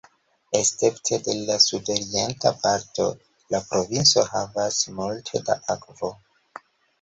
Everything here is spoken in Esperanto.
Escepte de la sudorienta parto, la provinco havas multe da akvo.